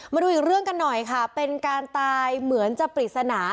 มาดูอีกเรื่องกันหน่อยค่ะเป็นการตายเหมือนจะปริศนา